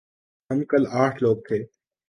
ہم کل آٹھ لوگ تھے ۔